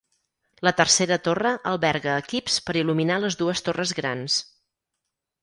La tercera torre alberga equips per il·luminar les dues torres grans.